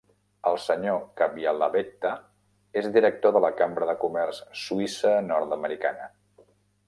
El senyor Cabiallavetta és director de la Cambra de Comerç suïssa- nord-americana.